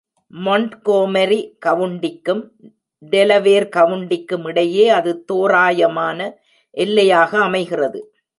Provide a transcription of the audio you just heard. மொண்ட்கோமரி கவுண்டிக்கும் டெலவேர் கவுண்டிக்கும் இடையே அது தோறாயமான எல்லையாக அமைகிறது.